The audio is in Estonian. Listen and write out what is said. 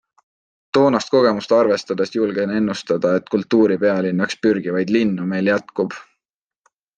Toonast kogemust arvestades julgen ennustada, et kultuuripealinnaks pürgivaid linnu meil jätkub.